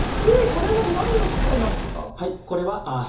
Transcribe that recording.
これは何の機械なんですか？